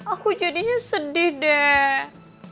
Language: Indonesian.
aku jadinya sedih deh